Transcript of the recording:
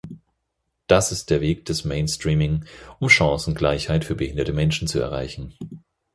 Das ist der Weg des mainstreaming, um Chancengleichheit für behinderte Menschen zu erreichen.